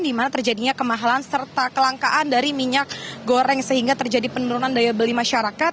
di mana terjadinya kemahalan serta kelangkaan dari minyak goreng sehingga terjadi penurunan daya beli masyarakat